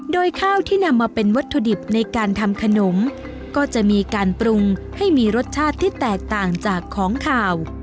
โดยข้าวที่นำมาเป็นวัตถุดิบในการทำขนมก็จะมีการปรุงให้มีรสชาติที่แตกต่างจากของขาว